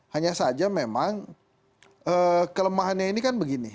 hanya saja memang kelemahannya ini kan begini